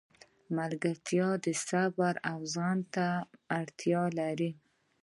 ملګرتیا صبر او زغم ته اړتیا لري.